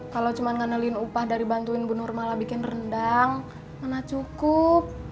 kalau cuma ngenelein upah dari bantuin bunur malah bikin rendang mana cukup